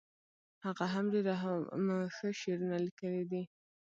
هغه هم ډیر او هم ښه شعرونه لیکلي دي